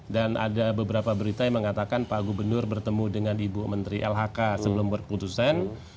dan ada beberapa berita yang mengatakan pak gubernur bertemu dengan ibu menteri lhk sebelum berputusan